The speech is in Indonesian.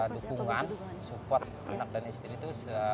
dukungan support anak dan istri itu